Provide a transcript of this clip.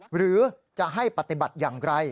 หรือจะให้ปฏิบัติอย่างไร